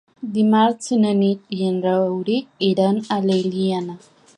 Dimarts na Nit i en Rauric iran a l'Eliana.